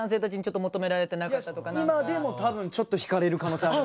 今でも多分ちょっと引かれる可能性ありますね。